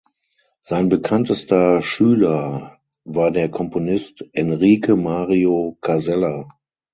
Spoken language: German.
Sein bekanntester Schüler war der Komponist Enrique Mario Casella.